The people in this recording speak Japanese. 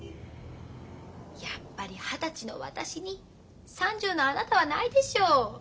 やっぱり二十歳の私に３０のあなたはないでしょう。